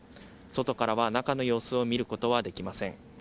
外からは中の様子を見ることはできません。